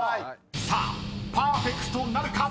［さあパーフェクトなるか⁉］